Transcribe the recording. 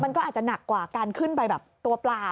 มันก็อาจจะหนักกว่าการขึ้นไปแบบตัวเปล่า